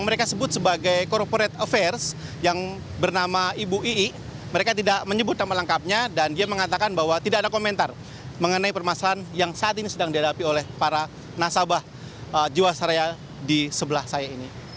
mereka sebut sebagai corporate affairs yang bernama ibu ii mereka tidak menyebut nama lengkapnya dan dia mengatakan bahwa tidak ada komentar mengenai permasalahan yang saat ini sedang dihadapi oleh para nasabah jiwasraya di sebelah saya ini